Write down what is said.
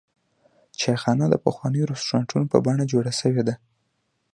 چایخانه د پخوانیو رسټورانټونو په بڼه جوړه شوې وه.